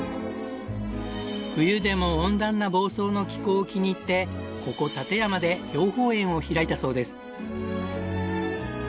冬でも温暖な房総の気候を気に入ってここ館山で養蜂園を開いたそうです。